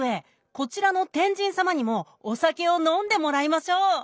こちらの天神様にもお酒を飲んでもらいましょう。